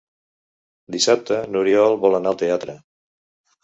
Dissabte n'Oriol vol anar al teatre.